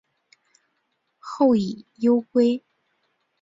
后以忧归。